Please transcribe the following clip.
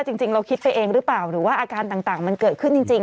จริงเราคิดไปเองหรือเปล่าหรือว่าอาการต่างมันเกิดขึ้นจริง